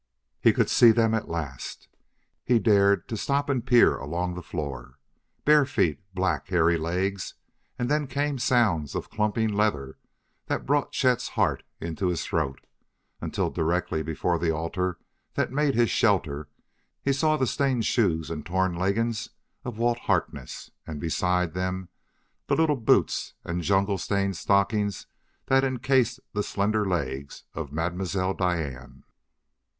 He could see them at last; he dared, to stop and peer along the floor. Bare feet black, hairy legs, and then came sounds of clumping leather that brought Chet's heart into his throat, until, directly before the altar that made his shelter, he saw the stained shoes and torn leggings of Walt Harkness, and beside them, the little boots and jungle stained stockings that encased the slender legs of Mademoiselle Diane.